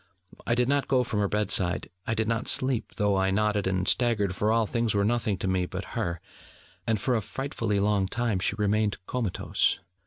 I did not go from her bed side: I did not sleep, though I nodded and staggered: for all things were nothing to me, but her: and for a frightfully long time she remained comatose.